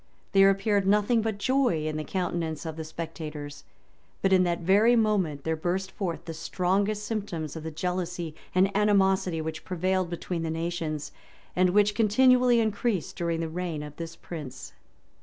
[] There appeared nothing but joy in the countenance of the spectators; but in that very moment there burst forth the strongest symptoms of the jealousy and animosity which prevailed between the nations, and which continually increased during the reign of this prince.